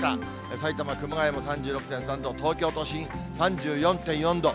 埼玉・熊谷も３６．３度、東京都心３４．４度。